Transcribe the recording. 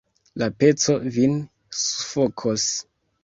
La peco vin sufokos!